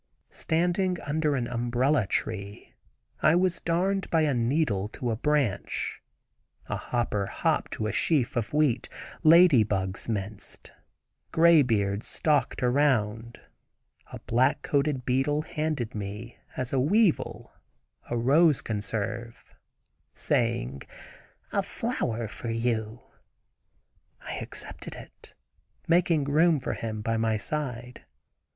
Standing under an umbrella tree I was "darned" by a "needle" to a branch; a hopper hopped to a sheaf of wheat; lady bugs minced; graybeards stalked around; a black coated beetle handed me (as a weevil) a rose conserve, saying: "A 'flour' for you." I accepted it, making room for him by my side.